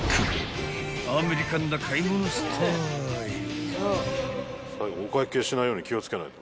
［アメリカンな買い物スタイル］